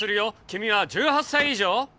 君は１８歳以上？